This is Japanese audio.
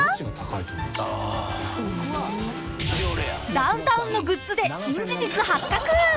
［ダウンタウンのグッズで新事実発覚］